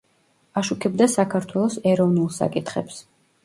აშუქებდა საქართველოს ეროვნულ საკითხებს.